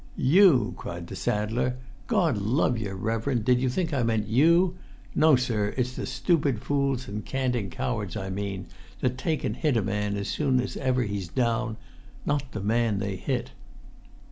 "You?" cried the saddler. "Gord love yer, reverend, did you think I meant you? No, sir, it's the stupid fools and canting cowards I mean, that take and hit a man as soon as ever he's down; not the man they hit."